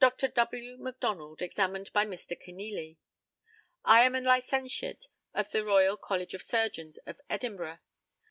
Dr. W. MACDONALD, examined by Mr. KENEALY. I am a licentiate of the Royal College of Surgeons of Edinburgh.